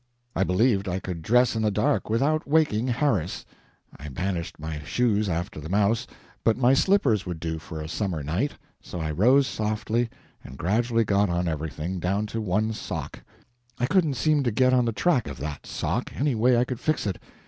I believed I could dress in the dark without waking Harris. I had banished my shoes after the mouse, but my slippers would do for a summer night. So I rose softly, and gradually got on everything down to one sock. I couldn't seem to get on the track of that sock, any way I could fix it.